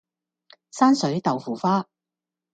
山水豆腐花